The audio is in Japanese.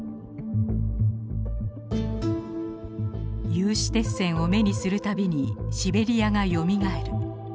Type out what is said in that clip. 「有刺鉄線を目にするたびにシベリヤがよみがえる。